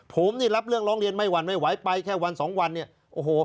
ผมนี่รับเรื่องร้องเรียนไม่หวั่นไม่ไหวไปแค่วันสองวันเนี่ยโอ้โห